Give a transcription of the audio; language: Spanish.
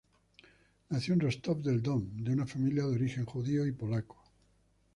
Nació en Rostov del Don, de una familia de origen judío y polaco.